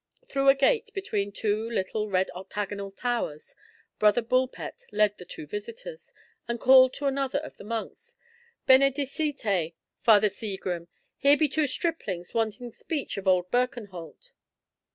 Through a gate between two little red octagonal towers, Brother Bulpett led the two visitors, and called to another of the monks, "Benedicite, Father Segrim, here be two striplings wanting speech of old Birkenholt."